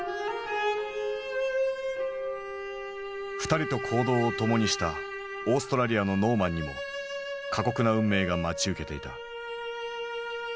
２人と行動を共にしたオーストラリアのノーマンにも過酷な運命が待ち受けていた。